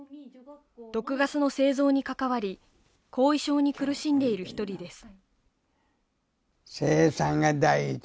毒ガスの製造に関わり後遺症に苦しんでいる一人です。